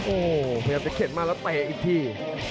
โอ้โหพยายามจะเข็นมาแล้วเตะอีกที